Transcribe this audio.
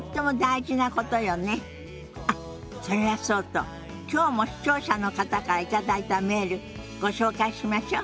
あっそれはそうときょうも視聴者の方から頂いたメールご紹介しましょ。